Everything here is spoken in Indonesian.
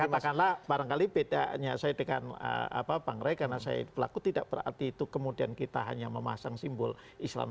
katakanlah barangkali bedanya saya dengan bang ray karena saya pelaku tidak berarti itu kemudian kita hanya memasang simbol islam